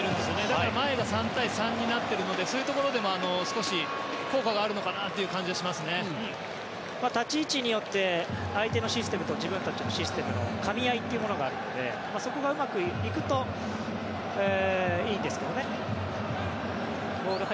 だから、前が３対３になってるのでそういうところでも少し効果があるのかなという立ち位置によって相手のシステムと自分たちのシステムのかみ合いというものがあるのでそこがうまくいくといいんですけどね。